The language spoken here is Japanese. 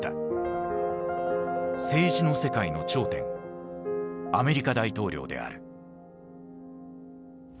政治の世界の頂点アメリカ大統領である。